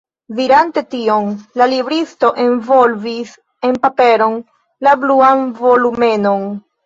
Dirante tion, la libristo envolvis en paperon la bluan volumeton.